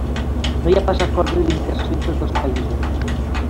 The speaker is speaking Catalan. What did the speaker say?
No hi ha pas acord de delimitació entre els dos països.